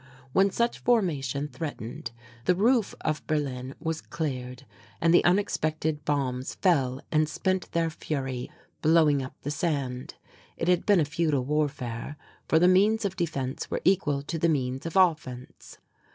When such formation threatened, the roof of Berlin was cleared and the expected bombs fell and spent their fury blowing up the sand. It had been a futile warfare, for the means of defence were equal to the means of offence.